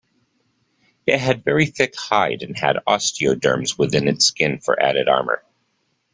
It had very thick hide and had osteoderms within its skin for added armor.